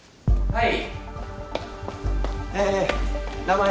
はい。